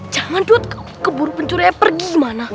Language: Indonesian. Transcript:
jangan duet kebun pencuriannya pergi kemana